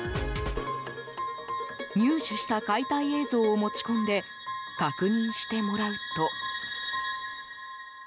入手した解体映像を持ち込んで確認してもらうと。